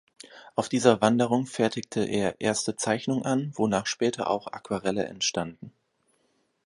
Auf dieser Wanderung fertigte er erste Zeichnungen an, wonach später auch Aquarelle entstanden.